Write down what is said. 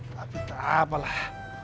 tapi tak apalah